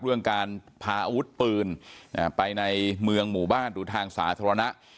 เรื่องการพาอาวุธปืนไปในเมืองหมู่บ้านหรือทางสาธารณะ